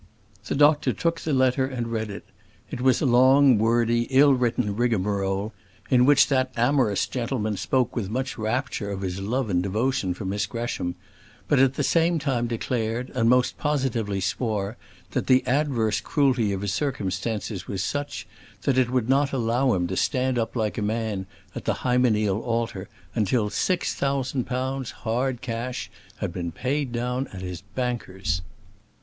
The doctor took the letter and read it. It was a long, wordy, ill written rigmarole, in which that amorous gentleman spoke with much rapture of his love and devotion for Miss Gresham; but at the same time declared, and most positively swore, that the adverse cruelty of his circumstances was such, that it would not allow him to stand up like a man at the hymeneal altar until six thousand pounds hard cash had been paid down at his banker's.